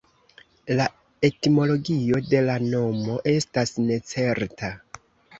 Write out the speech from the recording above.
La etimologio de la nomo estas necerta.